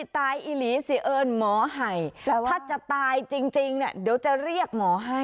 ถ้าจะตายจริงเนี่ยเดี๋ยวจะเรียกหมอให้